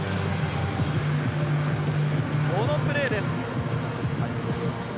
このプレーです。